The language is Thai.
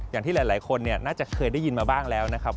อย่างที่หลายคนน่าจะเคยได้ยินมาบ้างแล้วนะครับ